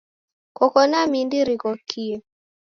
Koko na mindi righokie.